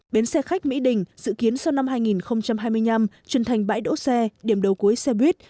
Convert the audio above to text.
bến xe khách mỹ đình dự kiến sau năm hai nghìn hai mươi năm truyền thành bãi đỗ xe điểm đầu cuối xe buýt